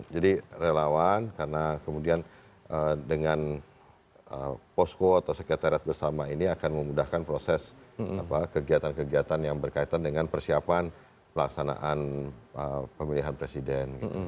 jadi relawan karena kemudian dengan posko atau sekretariat bersama ini akan memudahkan proses kegiatan kegiatan yang berkaitan dengan persiapan pelaksanaan pemilihan presiden